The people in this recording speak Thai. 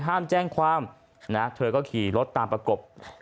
ห้ามแจ้งความนะเธอก็ขี่รถตามประกบ